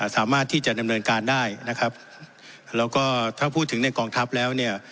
สามารถที่จะดำเนินการได้นะครับแล้วก็ถ้าพูดถึงในกองทัพแล้วเนี่ย